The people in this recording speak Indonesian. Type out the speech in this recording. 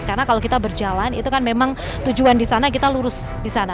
karena kalau kita berjalan itu kan memang tujuan di sana kita lurus di sana